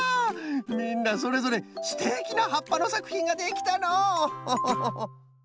みんなそれぞれすてきなはっぱのさくひんができたのうホホホ。